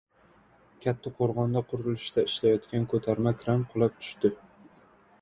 Kattaqo‘rg‘onda qurilishda ishlayotgan ko‘tarma kran qulab tushdi